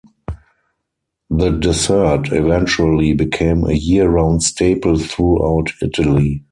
The dessert eventually became a year-round staple throughout Italy.